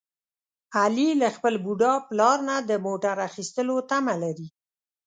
علي له خپل بوډا پلار نه د موټر اخیستلو تمه لري.